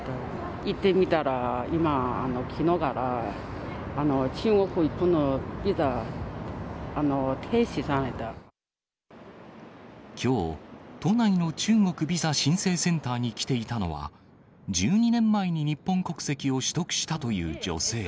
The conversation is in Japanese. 行ってみたら、今、きのうから、きょう、都内の中国ビザ申請センターに来ていたのは、１２年前に日本国籍を取得したという女性。